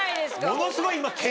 ものすごい今。